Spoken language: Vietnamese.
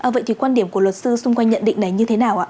vậy thì quan điểm của luật sư xung quanh nhận định này như thế nào ạ